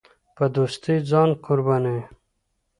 په دوستۍ ځان قربانوي.